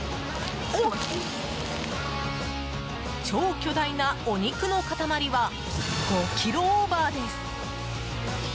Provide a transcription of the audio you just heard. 超巨大なお肉の塊は５ｋｇオーバーです。